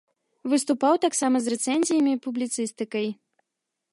Выступаў таксама з рэцэнзіямі і публіцыстыкай.